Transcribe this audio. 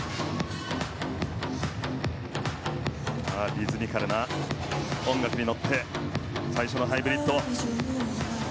リズミカルな音楽に乗って最初のハイブリッド。